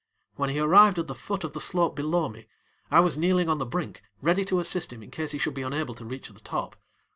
When he arrived at the foot of the slope below me, I was kneeling on the brink ready to assist him in case he should be unable to reach the top.